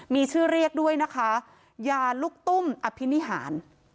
มีชื่อเรียกด้วยนะคะยาลูกตุ้มอภินิหาร